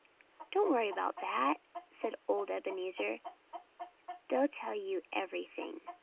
"Don't worry about that!" said old Ebenezer. "They'll tell you everything.